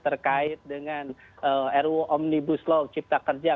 ruu omnibus law cipta kerja